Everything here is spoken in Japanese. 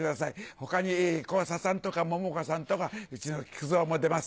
他に小朝さんとか桃花さんとかうちの木久蔵も出ます。